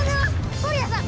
フォリアさん